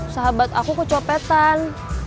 sahabat aku kecopetan